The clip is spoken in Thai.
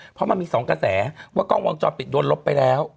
เพราะมันมี๒กระแสว่ากล้องวงจรปิดโดนลบไปแล้ว